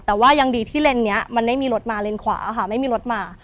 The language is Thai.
ดังดีที่เลนนี้มันไม่มีรถมาเลนขวาค่ะไม่มีรถมา